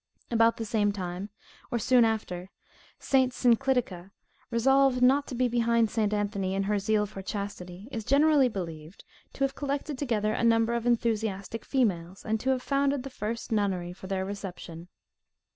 About the same time, or soon after, St. Synclitica, resolving not to be behind St. Anthony in her zeal for chastity, is generally believed to have collected together a number of enthusiastic females, and to have founded the first nunnery for their reception.